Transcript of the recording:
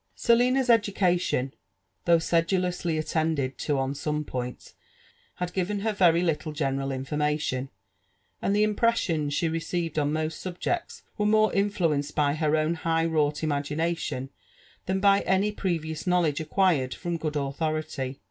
Selina's education, though sedulously attended to on some points, had given her very little, general information ; and the impressions she received on most subjects were more influenced by her own high wrought imagination, than by any previous knowledge acquired from good.authority.